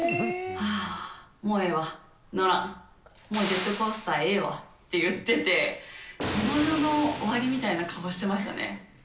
はあ、もうええわ、なあ、もうジェットコースターええわって言ってて、この世の終わりみたいな顔してましたね。